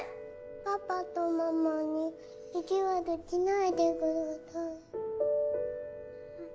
パパとママに意地悪しないでください。